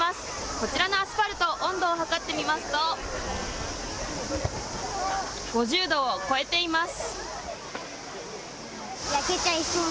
こちらのアスファルト温度を測ってみますと５０度を超えています。